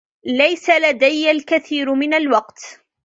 ليس لدي الكثير من الوقت.